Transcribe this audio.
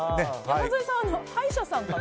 山添さんは歯医者さんかな？